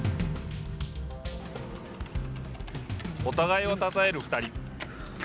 お互いをたたえる２人。